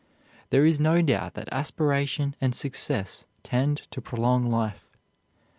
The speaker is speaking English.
There is no doubt that aspiration and success tend to prolong life.